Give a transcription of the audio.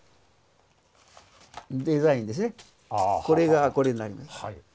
これがこれになります。